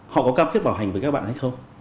họ có cam kết bảo hành với các bạn hay không